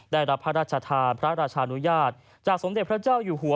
ได้รับพระราชทานพระราชานุญาตจากสมเด็จพระเจ้าอยู่หัว